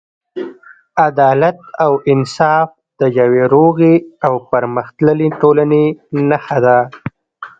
عدالت او انصاف د یوې روغې او پرمختللې ټولنې نښه ده.